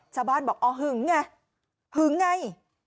ชาบ้านบอกอ้อหึงไง